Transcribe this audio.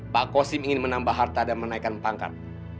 pak bosin ingin menambah harta dan menaikan pangkat